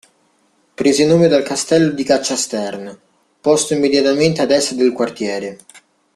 Prese il nome dal castello di caccia Stern, posto immediatamente ad est del quartiere.